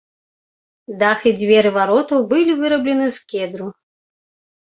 Дах і дзверы варотаў былі выраблены з кедру.